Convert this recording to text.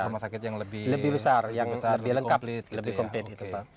rumah sakit yang lebih besar yang lebih lengkap